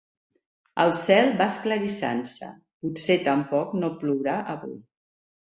El cel va esclarissant-se: potser tampoc no plourà avui.